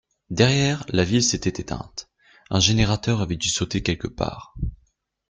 Derrière, la ville s’était éteinte: un générateur avait dû sauter quelque part.